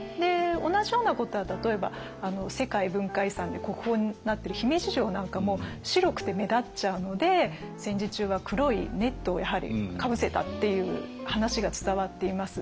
同じようなことは例えば世界文化遺産で国宝になってる姫路城なんかも白くて目立っちゃうので戦時中は黒いネットをやはりかぶせたっていう話が伝わっています。